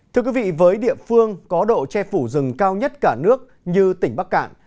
thưa quý vị với địa phương có độ che phủ rừng cao nhất cả nước như tỉnh bắc cạn